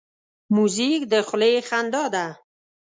موزیک د خولې خندا ده.